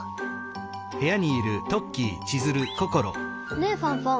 ねえファンファン。